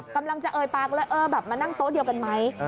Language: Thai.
กำลังจะเอ่ยปากเลยเออแบบมานั่งโต๊ะเดียวกันไหม